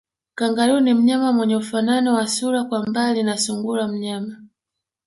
Kangaroo ni mnyama mwenye ufanano wa sura kwa mbali na sungura mnyama